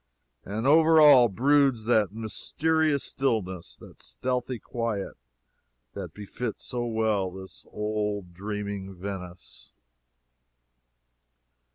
And over all broods that mysterious stillness, that stealthy quiet, that befits so well this old dreaming Venice.